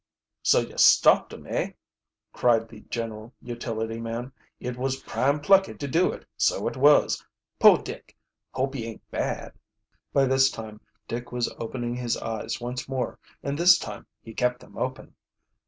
"So ye stopped 'em, eh?" cried the general utility man. "It was prime plucky to do it, so it was! Poor Dick, hope he ain't bad." By this time Dick was opening his eyes once more, and this time he kept them open.